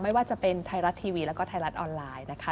ไม่ว่าจะเป็นไทยรัฐทีวีแล้วก็ไทยรัฐออนไลน์นะคะ